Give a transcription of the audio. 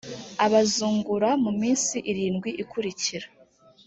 abazungura mu minsi irindwi ikurikira